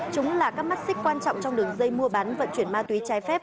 chúng là các mắt xích quan trọng trong đường dây mua bán vận chuyển ma túy trái phép